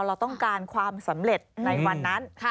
เราต้องการความสำเร็จในวันนั้น